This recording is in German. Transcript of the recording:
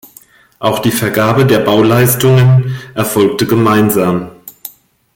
Auch die Vergabe der Bauleistungen erfolgte gemeinsam.